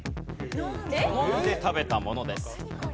好んで食べたものです。